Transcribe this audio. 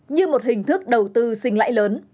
như một hình thức đầu tư sinh lãi lớn